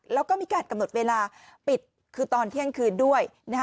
แล้วก็มีการกำหนดเวลาปิดคือตอนเที่ยงคืนด้วย